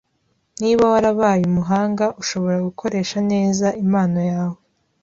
Niba warabaye umuhanga, ushobora gukoresha neza impano yawe.